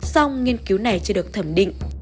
xong nghiên cứu này chưa được thẩm định